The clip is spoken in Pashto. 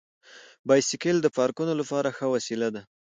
بایسکل د پارکونو لپاره ښه وسیله ده.